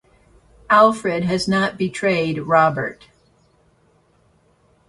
Alfred has not betrayed Robert.